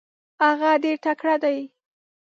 هغه ډیر تکړه دی.